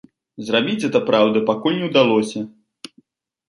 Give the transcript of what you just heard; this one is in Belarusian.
Зрабіць гэта, праўда, пакуль не ўдалося.